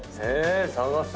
探す。